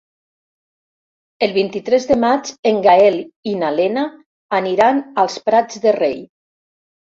El vint-i-tres de maig en Gaël i na Lena aniran als Prats de Rei.